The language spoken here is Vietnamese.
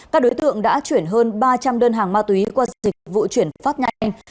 các đối tượng đã chuyển hơn ba trăm linh đơn hàng ma túy qua dịch vụ chuyển phát nhanh